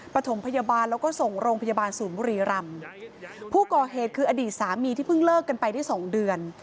ปฐมพยาบาลแล้วก็ส่งโรงพยาบาลศูนย์บุรีรำผู้ก่อเหตุคืออดีตสามีที่เพิ่งเลิกกันไปได้สองเดือน